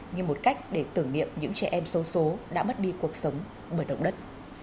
như một cách để tưởng niệm những trẻ em sâu số đã mất đi cuộc sống bởi động đất